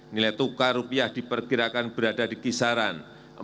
nilai tukar rupiah diperkirakan berada di kisaran